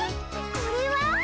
これは？」。